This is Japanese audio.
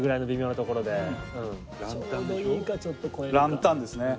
ランタンですね。